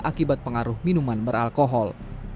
akibat pengaruh minuman beralkohol